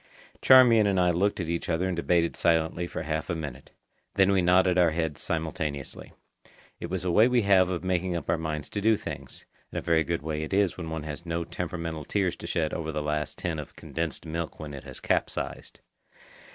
Charmian and I looked at each other and debated silently for half a minute. Then we nodded our heads simultaneously. It is a way we have of making up our minds to do things; and a very good way it is when one has no temperamental tears to shed over the last tin of condensed milk when it has capsized.